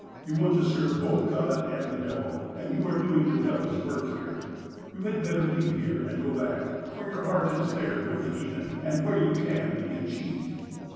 You want to serve both God and the devil, and you are doing the devil's work here. You had better leave here and go back, for your heart is there with the heathen, and where you can be a chief."